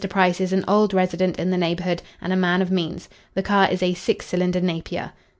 Price is an old resident in the neighbourhood and a man of means. The car is a six cylinder Napier."